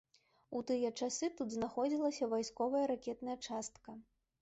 У тыя часы тут знаходзілася вайсковая ракетная частка.